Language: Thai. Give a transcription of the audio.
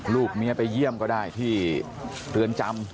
ลูกเมียไปเยี่ยมก็ได้ที่เรือนจำ